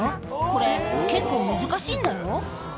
「これ結構難しいんだよ」